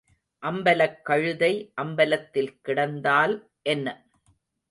அம்பலக் கழுதை அம்பலத்தில் கிடந்தால் என்ன?